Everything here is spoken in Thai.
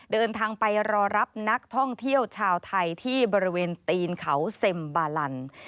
เดินทางไปรอรับนักท่องเที่ยวชาวไทยที่บริเวณตีนเขาเซ็มบาลัน